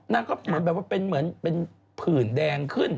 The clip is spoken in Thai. นางก็เหมือนเป็นผื่นแดงขึ้น